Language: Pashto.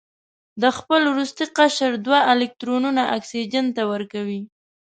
د خپل وروستي قشر دوه الکترونونه اکسیجن ته ورکوي.